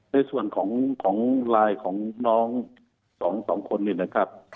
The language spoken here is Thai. ในส่วนของไลน์ของน้องสองคนนี่นะครับ